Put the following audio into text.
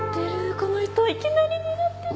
この人いきなり狙ってる。